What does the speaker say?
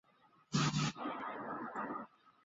私人地方的一边有喷水池。